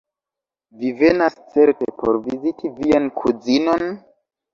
Vi venas certe por viziti vian kuzinon?